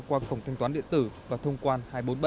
qua cổng thanh toán điện tử và thông quan hai trăm bốn mươi bảy